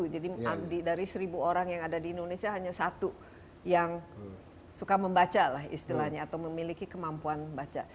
jadi dari seribu orang yang ada di indonesia hanya satu yang suka membaca lah istilahnya atau memiliki kemampuan membaca